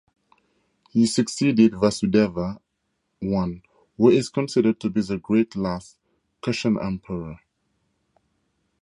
He succeeded Vasudeva I who is considered to be the last great Kushan emperor.